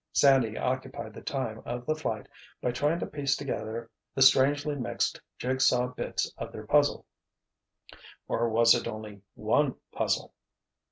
Sandy occupied the time of the flight by trying to piece together the strangely mixed jig saw bits of their puzzle—or was it only one puzzle?